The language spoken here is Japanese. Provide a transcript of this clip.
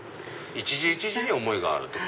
一字一字に思いがある。